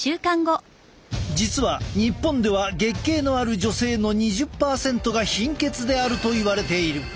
実は日本では月経のある女性の２０％が貧血であるといわれている。